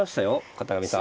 片上さん。